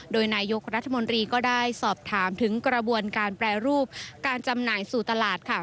โดยนายกรัฐมนตรีก็ได้สอบถามถึงกระบวนการแปรรูปการจำหน่ายสู่ตลาดค่ะ